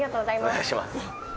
お願いします。